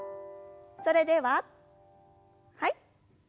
それでははい。